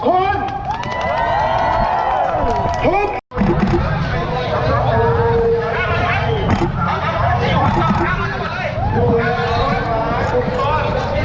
ขอบคุณทุกคนขอบคุณทุกคน